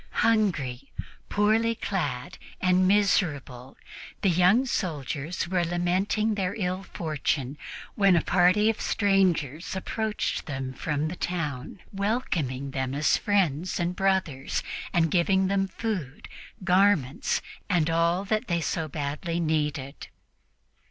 Hungry, poorly clad and miserable, the young soldiers were lamenting their ill fortune when a party of strangers approached them from the town, welcoming them as friends and brothers and giving them food, garments and all that they so badly needed.